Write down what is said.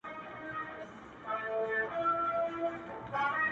• وه غنمرنگه نور لونگ سه چي په غاړه دي وړم.